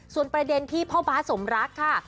ส่วนประเด็นที่พ่อบ๊าสมรักค่ะ